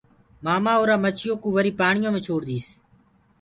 مآمآ اُرآ مڇيو ڪوُ وري پآڻيو مي ڇوڙ ديس۔